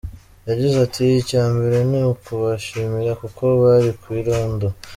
Yagize ati “Icya mbere ni ukubashimira kuko bari ku irondo.